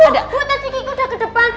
bu tadi kiki udah ke depan